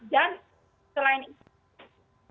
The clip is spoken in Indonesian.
dan selain itu